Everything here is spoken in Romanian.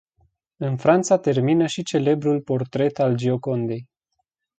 În Franța termină și celebrul portret al Giocondei.